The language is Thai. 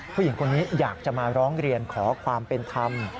ผู้หญิงคนนี้อยากจะมาร้องเรียนขอความเป็นธรรม